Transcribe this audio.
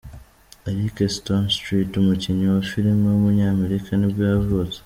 Eric Stonestreet, umukinnyi wa filime w’umunyamerika nibwo yavutse.